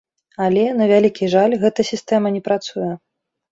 Але, на вялікі жаль, гэта сістэма не працуе.